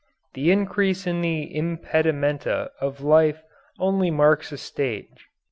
The increase in the impedimenta of life only marks a stage.